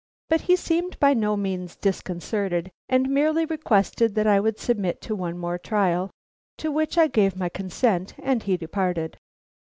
But he seemed by no means disconcerted, and merely requested that I would submit to one more trial. To which I gave my consent, and he departed.